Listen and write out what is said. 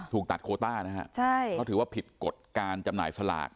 ถูกตัดโคต้านะฮะเพราะถือว่าผิดกฎการจำหน่ายสลาก